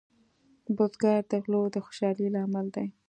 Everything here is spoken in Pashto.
بزګر د غلو د خوشحالۍ لامل دی